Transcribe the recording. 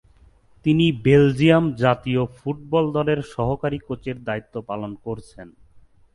তিনি বেলজিয়াম জাতীয় ফুটবল দলের সহকারী কোচের দায়িত্ব পালন করছেন।